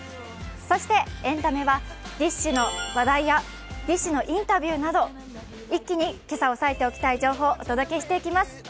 そしてエンタメはＤＩＳＨ／／のインタビューなど一気に今朝、押さえておきたい情報をお届けしていきます。